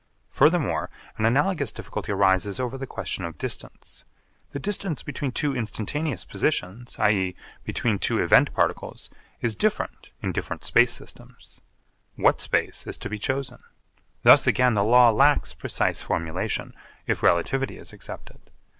Furthermore an analogous difficulty arises over the question of distance. The distance between two instantaneous positions, i.e. between two event particles, is different in different space systems. What space is to be chosen? Thus again the law lacks precise formulation, if relativity is accepted.